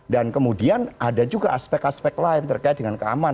dan kemudian ada juga aspek aspek lain terkait dengan keamanan